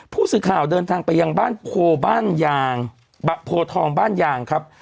ผู้สื่อข่าวเดินทางไปยังบ้านโพบ้านยางโพทองบ้านยางครับ